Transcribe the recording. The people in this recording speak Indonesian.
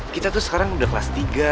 kita tuh sekarang udah kelas tiga